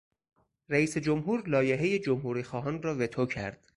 رئیس جمهور لایحهی جمهوری خواهان را وتو کرد.